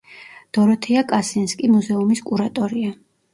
დოროთეა კასინსკი მუზეუმის კურატორია.